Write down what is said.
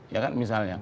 ya kan misalnya